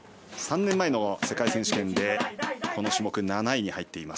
３年前の世界選手権でこの種目、７位。